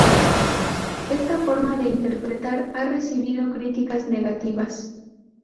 Esta forma de interpretar ha recibido críticas negativas.